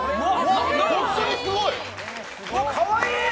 かわいい。